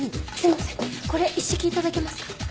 これ一式いただけますか？